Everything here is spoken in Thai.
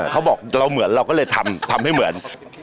เขาบอกเราเหมือนเราก็เลยทำให้เหมือน